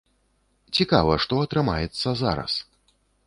Цікава, што атрымаецца зараз.